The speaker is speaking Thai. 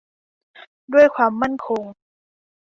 ด้วยความมั่นคง